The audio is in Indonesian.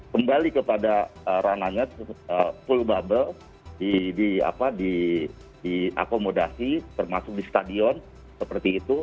kembali kepada ranahnya full bubble diakomodasi termasuk di stadion seperti itu